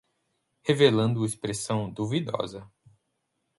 Revelando expressão duvidosa